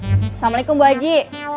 assalamualaikum bu haji